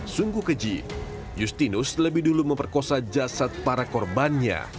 sungguh keji justinus lebih dulu memperkosa jasad para korbannya